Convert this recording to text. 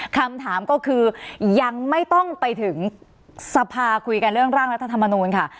คำถามก็คือยังไม่ต้องไปถึงสภาคุยกันเรื่องร่างรัฐธรรมนูลค่ะ